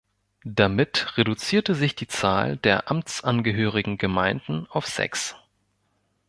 Damit reduzierte sich die Zahl der amtsangehörigen Gemeinden auf sechs.